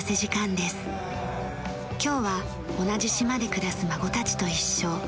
今日は同じ島で暮らす孫たちと一緒。